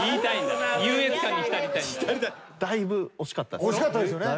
だいぶ惜しかったです。